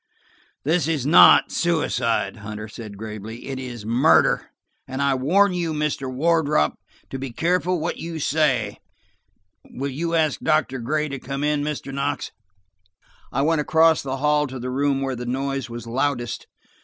"This is not suicide," Hunter said gravely. "It is murder, and I warn you, Mr. Wardrop, to be careful what you say. Will you ask Doctor Gray to come in, Mr. Knox?" I went across the hall to the room where the noise was loudest.